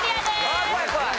ああ怖い怖い。